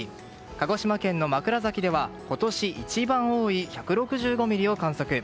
鹿児島県の枕崎では今年一番多い１６５ミリを観測。